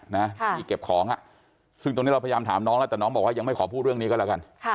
ที่เก็บของอ่ะซึ่งตรงนี้เราพยายามถามน้องแล้วแต่น้องบอกว่ายังไม่ขอพูดเรื่องนี้ก็แล้วกัน